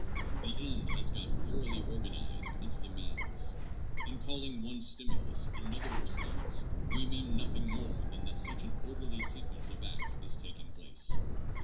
The end has got thoroughly organized into the means. In calling one stimulus, another response we mean nothing more than that such an orderly sequence of acts is taking place.